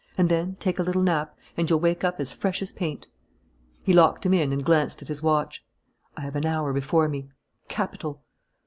And then take a little nap, and you'll wake up as fresh as paint." He locked him in and glanced at his watch. "I have an hour before me. Capital!"